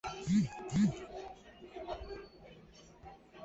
细胞毒性是指细胞受到释放出的有毒物质而引起的细胞毒性反应。